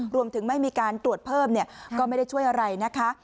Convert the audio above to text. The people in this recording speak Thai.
รวมถึงไม่มีการตรวจเพิ่มก็ไม่ได้ช่วยอะไรนะคะ